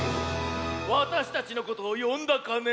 わたしたちのことをよんだかね？